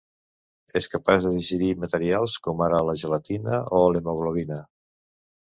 És capaç de digerir materials com ara la gelatina o l'hemoglobina.